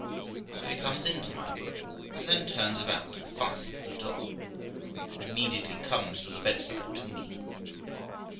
So he comes into my room, and then turns about and fastens the door, and immediately comes to the bedside to me.